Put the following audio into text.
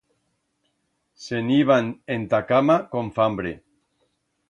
Se'n iban ent'a cama con fambre.